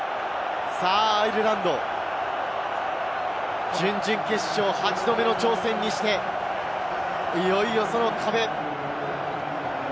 さぁ、アイルランド、準々決勝８度目の挑戦にして、いよいよその壁。